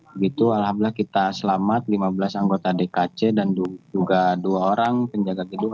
begitu alhamdulillah kita selamat lima belas anggota dkc dan juga dua orang penjaga gedung